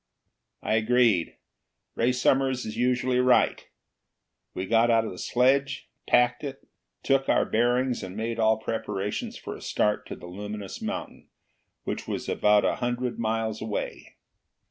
I agreed: Ray Summers is usually right. We got out the sledge, packed it, took our bearings, and made all preparations for a start to the luminous mountain, which was about a hundred miles away.